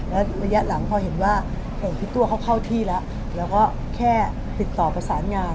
แล้วระยะหลังพอเห็นว่าพี่ตัวเขาเข้าที่แล้วเราก็แค่ติดต่อประสานงาน